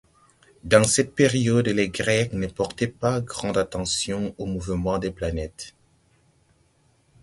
Durant cette période, les Grecs ne portaient pas grande attention au mouvement des planètes.